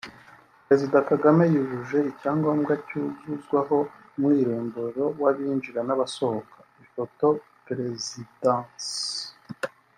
Perezida Kagame yujuje icyangombwa cyuzuzwaho umwirondoro w’abinjira n’abasohoka (Ifoto/Perezidansi)